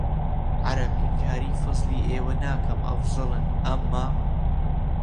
عەرەب ئینکاری فەزڵی ئێوە ناکەم ئەفزەلن ئەمما